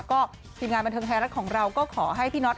ก็ทีมงานบันเทิงไทยรัฐของเราก็ขอให้พี่น็อต